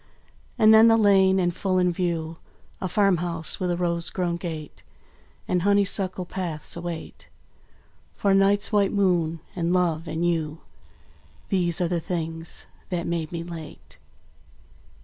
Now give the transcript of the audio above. And then the lane; and full in view A farmhouse with a rose grown gate, And honeysuckle paths, await For night's white moon and love and you These are the things that made me late.